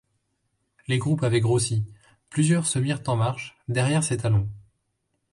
Les groupes avaient grossi, plusieurs se mirent en marche, derrière ses talons.